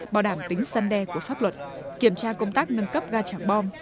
bảo đảm tính săn đe của pháp luật kiểm tra công tác nâng cấp ga trảng bom